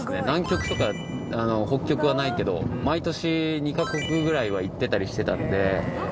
南極とか北極はないけど毎年２カ国ぐらいは行ってたりしてたんで。